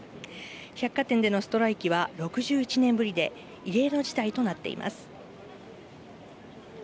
百貨店でのストライキは６１年ぶりで、異例の事態となっています。